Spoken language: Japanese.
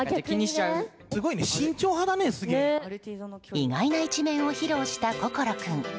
意外な一面を披露した心君。